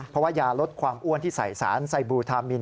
เพราะว่ายาลดความอ้วนที่ใส่สารไซบูทามิน